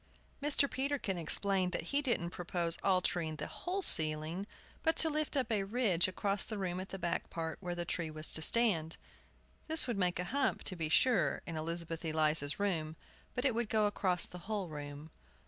Mr. Peterkin explained that he didn't propose altering the whole ceiling, but to life up a ridge across the room at the back part where the tree was to stand. This would make a hump, to be sure, in Elizabeth Eliza's room; but it would go across the whole room.